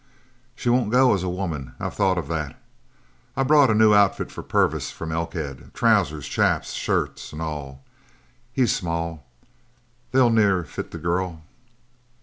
"She won't go as a woman. I've thought of that. I brought out a new outfit for Purvis from Elkhead trousers, chaps, shirts, an' all. He's small. They'll near fit the girl."